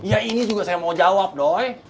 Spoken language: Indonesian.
ya ini juga saya mau jawab dong